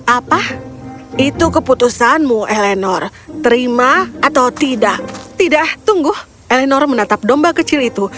apa itu keputusanmu elenor terima atau tidak tidak tunggu elenor menatap domba kecil itu